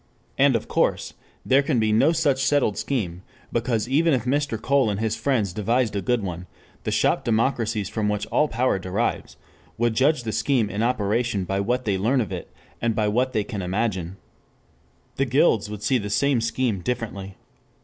And, of course, there can be no such settled scheme, because, even if Mr. Cole and his friends devised a good one, the shop democracies from which all power derives, would judge the scheme in operation by what they learn of it and by what they can imagine. The guilds would see the same scheme differently.